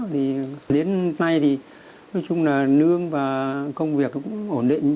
thì đến nay thì nói chung là nương và công việc nó cũng ổn định